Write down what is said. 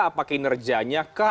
apakah kinerjanya kah